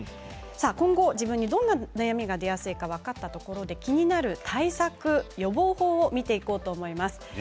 今後、自分にどんなお悩みが出やすいのか分かったところで気になる対策予防法を見ていこうと思います。